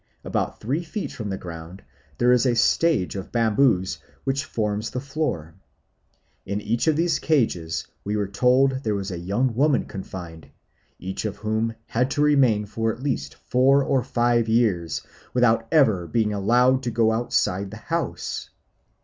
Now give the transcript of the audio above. About three feet from the ground there is a stage of bamboos which forms the floor. In each of these cages we were told there was a young woman confined, each of whom had to remain for at least four or five years, without ever being allowed to go outside the house.